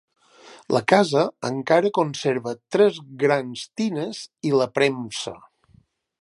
La casa encara conserva tres grans tines i la premsa.